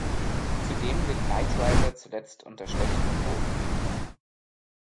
Zudem litt "Knight Rider" zuletzt unter schlechten Quoten.